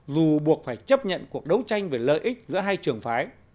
dù buộc phải chấp nhận cuộc đấu tranh về lợi ích giữa hai trường phái